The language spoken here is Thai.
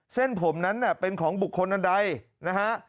เส้นผมนั้นเป็นของบุคคลอันใดนะฮะ